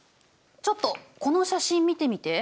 ちょっとこの写真見てみて。